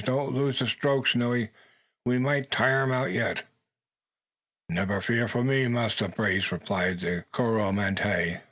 Don't lose a stroke, Snowy. We may tire 'em out yet." "Nebba fear fo' me, Massa Brace!" replied the Coromantee.